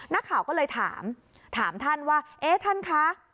นักข่าวก็เลยถามถามท่านว่าเอ๊ะท่านคะ